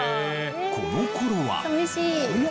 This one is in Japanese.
この頃は。